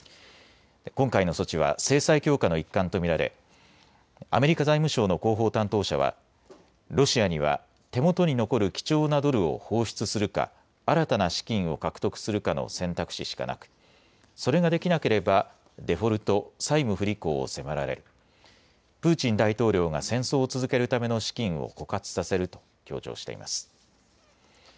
今回の措置は制裁強化の一環と見られ、アメリカ財務省の広報担当者はロシアには手元に残る貴重なドルを放出するか、新たな資金を獲得するかの選択肢しかなくそれができなければデフォルト・債務不履行を迫られプーチン大統領が戦争を続けるための資金を枯渇させると強調しています。